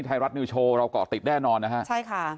ไทยรัฐนิวโชว์เราเกาะติดแน่นอนนะฮะใช่ค่ะ